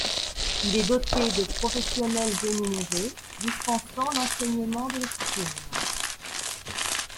Il est doté de professionnels rémunérés dispensant l'enseignement de l'escrime.